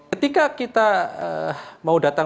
ketika kita mau datang